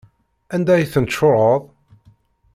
Anda ay ten-tcuṛɛeḍ?